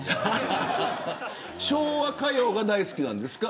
昭和歌謡が大好きなんですか。